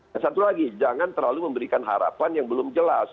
dan satu lagi jangan terlalu memberikan harapan yang belum jelas